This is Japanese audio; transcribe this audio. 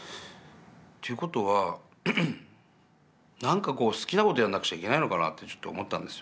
という事はなんか好きな事やんなきゃいけないのかなってちょっと思ったんですよ。